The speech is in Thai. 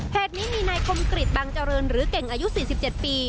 นี้มีนายคมกริจบังเจริญหรือเก่งอายุ๔๗ปี